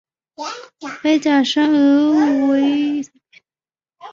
白颊山鹧鸪为雉科山鹧鸪属的鸟类。